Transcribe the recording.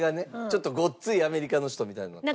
ちょっとごっついアメリカの人みたいな。